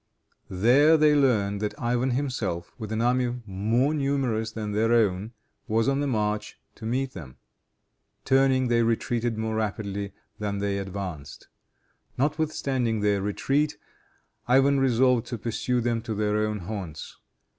There they learned that Ivan himself, with an army more numerous than their own, was on the march to meet them. Turning, they retreated more rapidly than they advanced. Notwithstanding their retreat, Ivan resolved to pursue them to their own haunts.